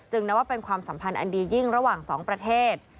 นับว่าเป็นความสัมพันธ์อันดียิ่งระหว่างสองประเทศ